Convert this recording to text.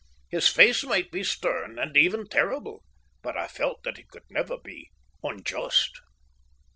His face might be stern, and even terrible, but I felt that he could never be unjust.